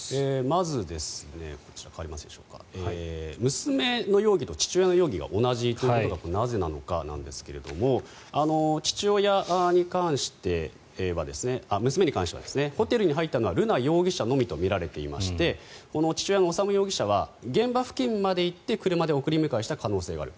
まず、娘の容疑と父親の容疑が同じということがなぜなのかなんですが娘に関してはホテルに入ったのは瑠奈容疑者のみとみられていまして父親の修容疑者は現場付近まで行って車で送り迎えした可能性がある。